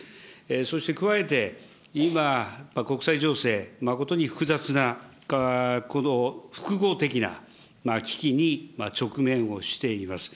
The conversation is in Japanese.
そして加えて、今、国際情勢、誠に複雑な、この複合的な危機に直面をしています。